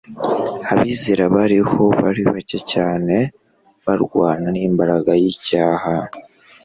Abizera bariho bari bake cyane barwana n'imbaraga y'icyaha,